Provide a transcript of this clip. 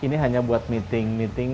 ini hanya buat meeting meeting